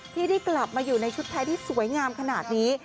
ที่ได้กลับมาอยู่ในชุดไทยที่สวยงามขนาดนี้